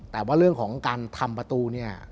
แต่ว่าเรื่องของการทำประตูเนี่ย